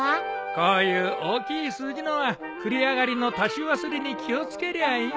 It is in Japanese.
こういう大きい数字のは繰り上がりの足し忘れに気を付けりゃいいんだ。